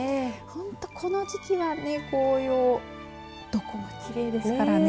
本当、この時期は紅葉、どこもきれいですからね。